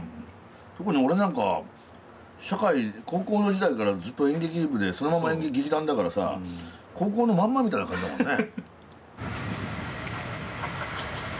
特に俺なんか社会高校の時代からずっと演劇部でそのまま劇団だからさ高校のまんまみたいな感じだもんね。